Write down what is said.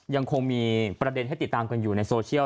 ยังคงมีประเด็นให้ติดตามกันอยู่ในโซเชียล